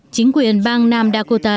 chính quyền bang nam dakota